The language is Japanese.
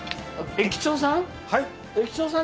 駅長さん。